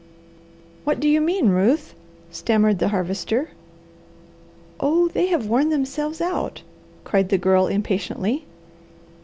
"What do you mean, Ruth?" stammered the Harvester. "Oh they have worn themselves out!" cried the Girl impatiently.